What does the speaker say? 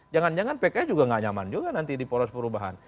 jangan jangan pks juga nggak nyaman juga nanti di poros perubahan